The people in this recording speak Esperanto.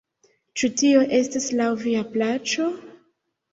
Ĉu tio estas laŭ via plaĉo?